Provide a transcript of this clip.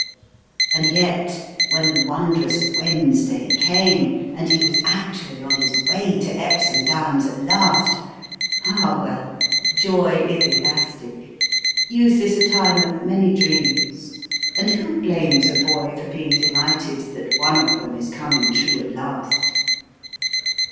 And yet, when the wondrous "Wednesday" came and he was actually on his way to Epsom Downs at last ... Ah, well, Joy is elastic; Youth is a time of many dreams, and who blames a boy for being delighted that one of them is coming true at last?